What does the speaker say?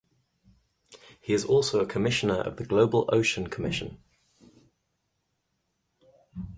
He is also a Commissioner of the Global Ocean Commission.